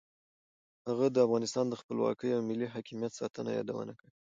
هغه د افغانستان د خپلواکۍ او ملي حاکمیت ساتنه یادونه کړې.